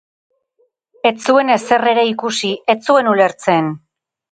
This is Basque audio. Ez zuen ezer ere ikusi, ez zuen ulertzen.